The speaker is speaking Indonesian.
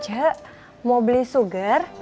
ce mau beli sugar